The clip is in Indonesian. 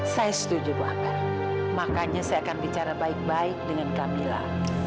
saya setuju bu akar makanya saya akan bicara baik baik dengan camilla